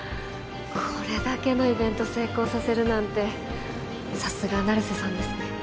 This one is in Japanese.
これだけのイベント成功させるなんてさすが成瀬さんですね